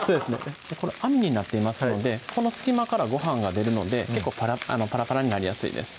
これ網になっていますのでこの隙間からごはんが出るので結構パラパラになりやすいです